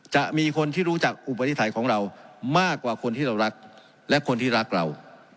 จะมีคนที่รู้จักอุปนิสัยของเรามากกว่าคนที่เรารักและคนที่รักเรา